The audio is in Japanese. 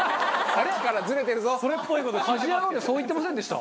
『家事ヤロウ！！！』でそう言ってませんでした？